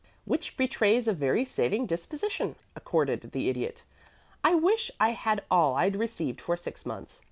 "Which betrays a very saving disposition," accorded the Idiot. "I wish I had all I'd received for six months.